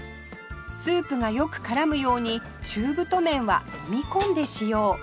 スープがよく絡むように中太麺はもみ込んで使用